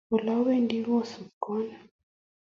Olawendi kosubwon